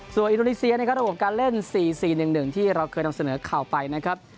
ส่วนอินโดนีเซียนะครับระบบการเล่น๔๔๑๑ที่เราเคยนำเสนอข่าวไปนะครับ